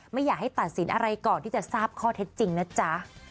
ไม่อยากให้ตัดสินอะไรก่อนที่จะทราบข้อเท็จจริงนะจ๊ะ